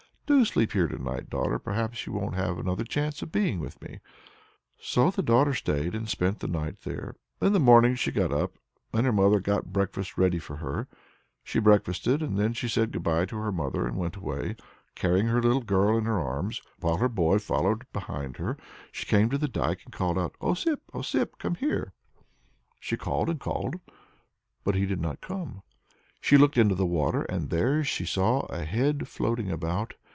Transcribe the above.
"Do sleep here to night, daughter; perhaps you won't have another chance of being with me." So the daughter stayed and spent the night there. In the morning she got up and her mother got breakfast ready for her; she breakfasted, and then she said good bye to her mother and went away, carrying her little girl in her arms, while her boy followed behind her. She came to the dike, and called out: "Osip, Osip, come here!" She called and called, but he did not come. Then she looked into the water, and there she saw a head floating about.